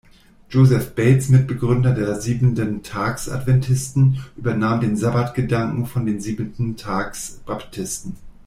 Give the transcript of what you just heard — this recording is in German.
Joseph Bates, Mitbegründer der Siebenten-Tags-Adventisten, übernahm den Sabbat-Gedanken von den Siebenten-Tags-Baptisten.